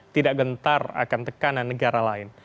tidak gentar akan tekanan negara lain